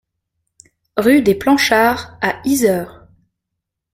Rue des Planchards à Yzeure